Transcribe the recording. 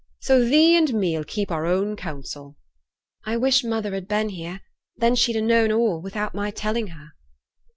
So thee and me 'll keep our own counsel.' 'I wish mother had been here, then she'd ha' known all, without my telling her.'